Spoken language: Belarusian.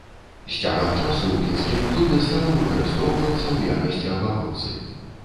З цягам часу ў пінскім клубе стаў выкарыстоўвацца ў якасці абаронцы.